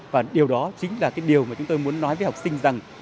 và điều đó chính là cái điều mà chúng tôi muốn nói với học sinh rằng